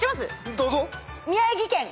どうぞ。